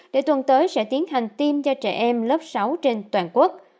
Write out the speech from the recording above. để tuần tới sẽ tiến hành tiêm cho trẻ em lớp sáu trên toàn quốc